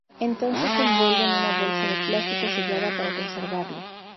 Entonces se envuelve en una bolsa de plástico sellada para conservarlo.